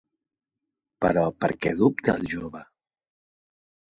Però, per què dubta el jove?